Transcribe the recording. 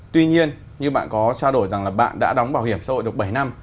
tuy nhiên như bạn có trao đổi rằng là bạn đã đóng bảo hiểm xã hội được bảy năm